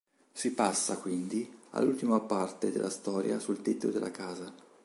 Si passa, quindi, all’ultima parte della storia sul tetto della casa.